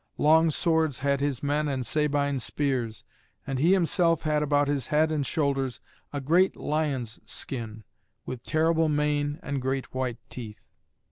Long swords had his men and Sabine spears; and he himself had about his head and shoulders a great lion's skin, with terrible mane and great white teeth.